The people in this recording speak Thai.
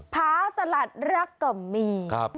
ผาสลัดรักก็มี